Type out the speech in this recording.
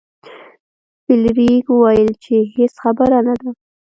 فلیریک وویل چې هیڅ خبره نه ده.